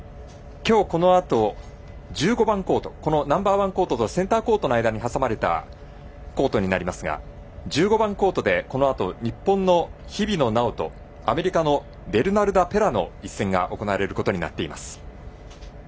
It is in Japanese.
きょう、このあと１５番コートナンバーワンコートとセンターコートの間に挟まれたコートになりますが１５番コートでこのあと、日本の日比野菜緒とアメリカのベルナルダ・ペラの一戦が行われることになっています。